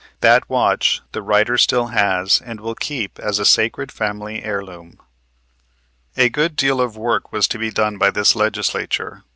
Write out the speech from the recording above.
That watch the writer still has and will keep as a sacred family heirloom. A good deal of work was to be done by this Legislature.